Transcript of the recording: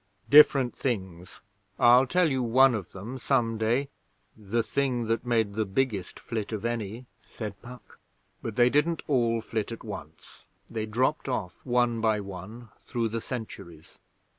'Different things. I'll tell you one of them some day the thing that made the biggest flit of any,' said Puck. 'But they didn't all flit at once. They dropped off, one by one, through the centuries.